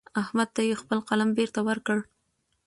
احمد ته يې خپل قلم بېرته ورکړ.